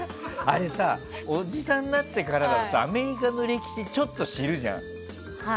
あれさおじさんになってからだとアメリカの歴史ちょっと知るじゃん。